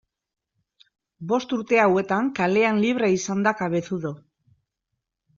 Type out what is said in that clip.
Bost urte hauetan kalean libre izan da Cabezudo.